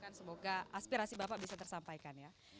ada yang dicari kita harapkan semoga aspirasi bapak bisa tersampaikan ya